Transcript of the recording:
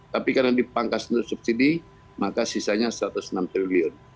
tapi karena dipangkas untuk subsidi maka sisanya satu ratus enam triliun